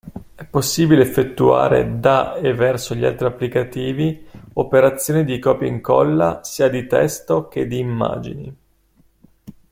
È possibile effettuare da e verso gli altri applicativi operazioni di copia/incolla sia di testo che di immagini.